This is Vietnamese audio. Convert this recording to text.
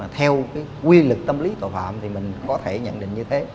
theo cái quy lực tâm lý tội phạm thì mình có thể nhận định như thế